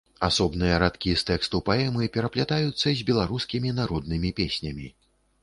Асобныя радкі з тэксту паэмы пераплятаюцца з беларускімі народнымі песнямі.